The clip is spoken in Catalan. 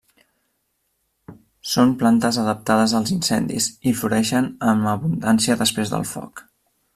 Són plantes adaptades als incendis i floreixen amb abundància després del foc.